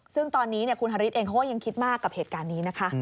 ซึ่งตอนนี้คุณฮาริสเองเขาก็ยังคิดมากกับเหตุการณ์นี้นะคะ